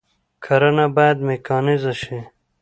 کرنه باید میکانیزه شي